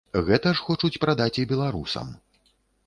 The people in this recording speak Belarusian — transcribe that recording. Гэта ж хочуць прадаць і беларусам.